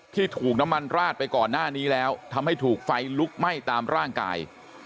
ถูกน้ำมันราดไปก่อนหน้านี้แล้วทำให้ถูกไฟลุกไหม้ตามร่างกาย